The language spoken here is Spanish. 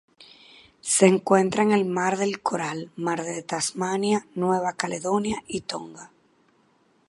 Se encuentra en el Mar del Coral, Mar de Tasmania, Nueva Caledonia y Tonga.